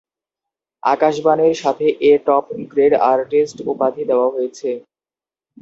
আকাশবাণীর সাথে A-top grade artist উপাধি দেওয়া হয়েছে।